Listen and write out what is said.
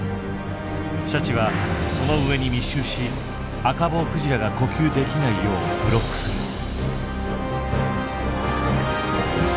シャチはその上に密集しアカボウクジラが呼吸できないようブロックする。